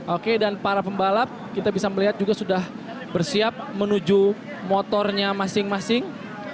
oke dan para pembalap kita bisa melihat juga sudah bersiap menuju motornya masing masing